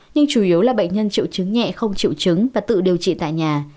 nhưng chủ yếu là bệnh nhân triệu chứng nhẹ không chịu chứng và tự điều trị tại nhà